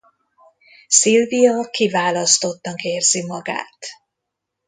Sylvia kiválasztottnak érzi magát.